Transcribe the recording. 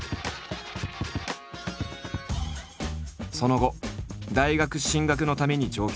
その後大学進学のために上京。